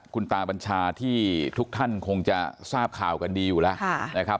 คุณตาบัญชาที่ทุกท่านคงจะทราบข่าวกันดีอยู่แล้วนะครับ